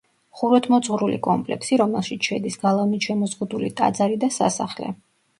ხუროთმოძღვრული კომპლექსი, რომელშიც შედის გალავნით შემოზღუდული ტაძარი და სასახლე.